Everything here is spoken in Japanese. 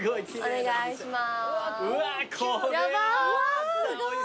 お願いします。